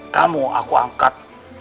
kamu aku angkat